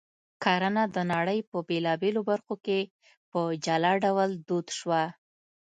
کرنه د نړۍ په بېلابېلو برخو کې په جلا ډول دود شوه